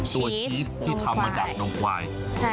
ชีสที่ทำมาจากนมควาย